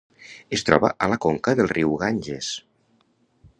Es troba a la conca del riu Ganges.